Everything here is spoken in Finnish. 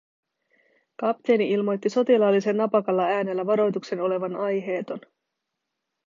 Kapteeni ilmoitti sotilaallisen napakalla äänellä varoituksen olevan aiheeton.